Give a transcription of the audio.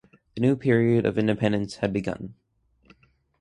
The new period of independence had begun.